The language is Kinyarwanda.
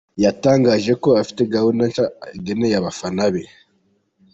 Yatangaje ko afite gahunda nshya ageneye abafana be.